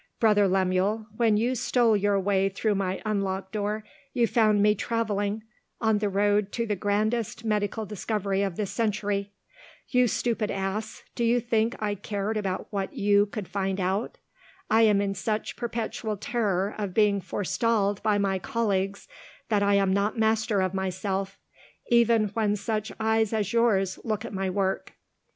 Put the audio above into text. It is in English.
Brother Lemuel, when you stole your way through my unlocked door, you found me travelling on the road to the grandest medical discovery of this century. You stupid ass, do you think I cared about what you could find out? I am in such perpetual terror of being forestalled by my colleagues, that I am not master of myself, even when such eyes as yours look at my work.